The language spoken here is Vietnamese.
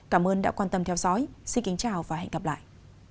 cảm ơn đã quan tâm theo dõi xin kính chào và hẹn gặp lại